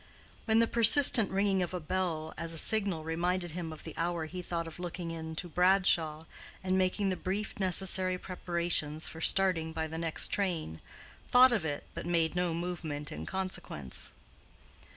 When the persistent ringing of a bell as a signal reminded him of the hour he thought of looking into Bradshaw, and making the brief necessary preparations for starting by the next train—thought of it, but made no movement in consequence.